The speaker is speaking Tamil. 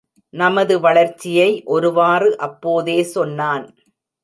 நமது வளர்ச்சியை ஒருவாறு அப்போதே சொன்னான்.